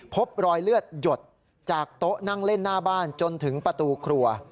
พบรอยเลือดหยดจากโต๊ะนั่งเล่นหน้าบ้านจนถึงประตูครัว